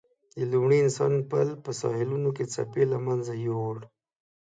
د لومړي انسان پل په ساحلونو کې څپې له منځه یووړ.